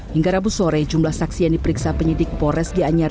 hingga rabu sore jumlah saksi yang diperiksa penyidik pores gianyar